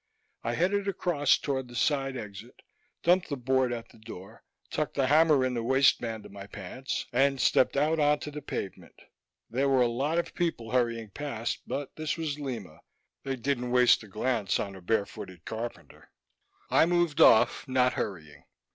I headed across toward the side exit, dumped the board at the door, tucked the hammer in the waist band of my pants, and stepped out onto the pavement. There were a lot of people hurrying past but this was Lima: they didn't waste a glance on a barefooted carpenter. I moved off, not hurrying.